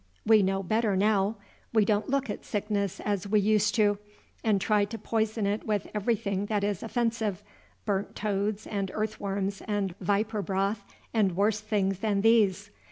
We know better now. We don't look at sickness as we used to, and try to poison it with everything that is offensive, burnt toads and earth worms and viper broth, and worse things than these.